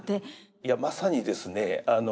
いやまさにですね